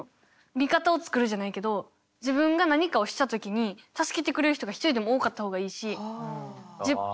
味方を作るじゃないけど自分が何かをした時に助けてくれる人が一人でも多かった方がいいし。